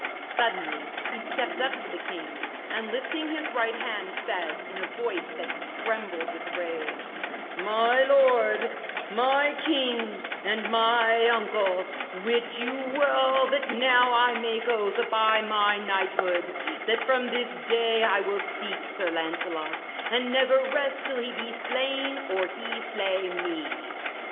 Suddenly he stepped up to the king, and lifting his right hand said, in a voice that trembled With rage: 'My lord, my king, and mine uncle, wit you well that now I make oath by my knighthood, that from this day I will seek Sir Lancelot and never rest till he be slain or he slay me.